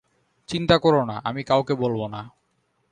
চিন্তা করো না, আমি কাউকে বলব না।